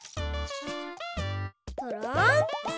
とろん。